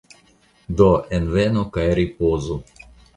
Do envenu, kaj ripozu